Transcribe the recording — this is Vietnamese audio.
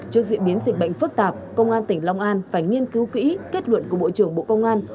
trước diễn biến dịch bệnh phức tạp công an tỉnh long an phải nghiên cứu kỹ kết luận của bộ trưởng bộ công an